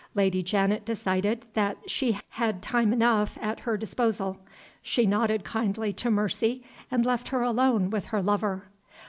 Lady Janet decided that she had time enough at her disposal. She nodded kindly to Mercy, and left her alone with her lover.